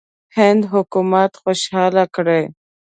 هند حکومت خوشاله کړي.